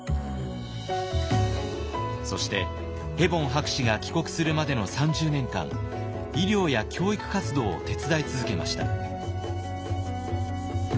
そしてヘボン博士が帰国するまでの３０年間医療や教育活動を手伝い続けました。